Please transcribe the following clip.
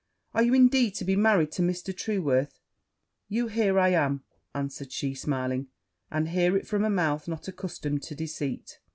Are you, indeed, to be married to Mr. Trueworth?' 'You hear I am,' answered she, smiling, 'and hear it from a mouth not accustomed to deceit.'